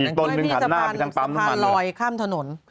อีกต้นหนึ่งถัดหน้าสะพานลอยข้ามถนน